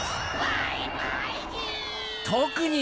バイバイキン！